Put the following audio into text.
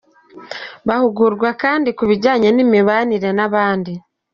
Bahugurwa kandi ku bijyanye n’imibanire n’abandi.